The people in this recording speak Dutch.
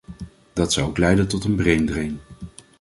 Dat zou ook leiden tot een brain drain.